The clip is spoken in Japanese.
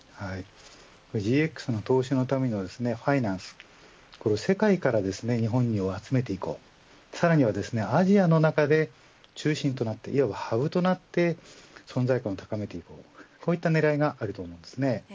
ＧＸの投資のためにはファイナンスこれ、世界から日本に集めていこうさらには、アジアの中で中心となって要はハブとなって存在感を高めていこうこういった狙いがあると思います。